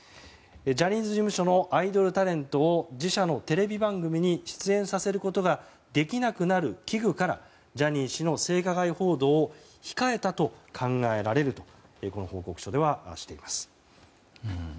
ジャニーズ事務所のアイドルタレントを自社のテレビ番組に出演させることができなくなる危惧からジャニー氏の性加害報道を控えたと考えられると報告書ではしています。